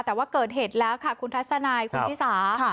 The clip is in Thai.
แต่ว่าเกิดเหตุแล้วค่ะคุณทัศนายคุณชิสา